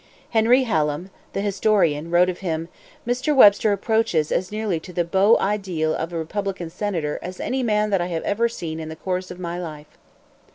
Henry Hallam, the historian, wrote of him: "Mr. Webster approaches as nearly to the beau ideal of a republican senator as any man that I have ever seen in the course of my life."